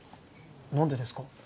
何でですか？